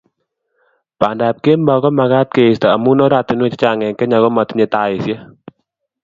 Bandap kemboi komagat keisto amu oratinwek chechang eng Kenya komotinye taisiek